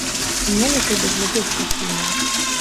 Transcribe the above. Мне на цябе глядзець праціўна.